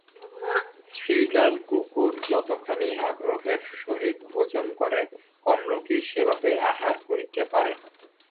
শৃগাল-কুকুর যতখানি আগ্রহের সহিত ভোজন করে, কম লোকই সেভাবে আহার করিতে পারে।